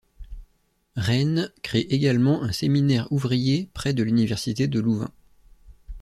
Reyn crée également un séminaire ouvrier près de l’université de Louvain.